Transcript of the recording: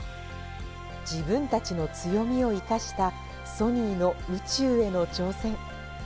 自分たちの強みを生かしたソニーの宇宙への挑戦。